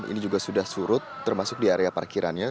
ini juga sudah surut termasuk di area parkirannya